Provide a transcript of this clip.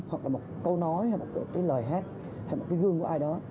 hoặc là một câu nói hay một cái lời hát hay một cái gương của ai đó